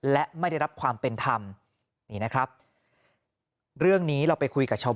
และไม่ได้รับความเป็นธรรมนี่นะครับเรื่องนี้เราไปคุยกับชาว